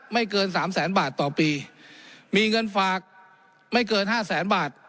เกินสามแสนบาทต่อปีมีเงินฝากไม่เกินห้าแสนบาท